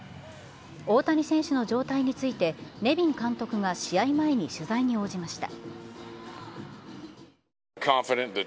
大谷選手の状態について、ネビン監督が試合前に取材に応じました。